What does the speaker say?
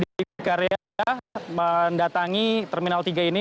budi karya mendatangi terminal tiga ini